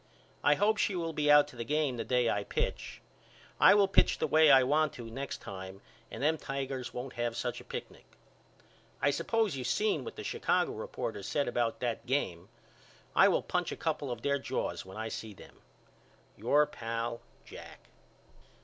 I hope she will be out to the game the day I pitch. I will pitch the way I want to next time and them Tigers won't have such a picnic. I suppose you seen what the Chicago reporters said about that game. I will punch a couple of their jaws when I see them. Your pal, JACK.